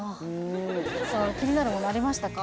気になるものありましたか？